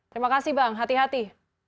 terima kasih bang hati hati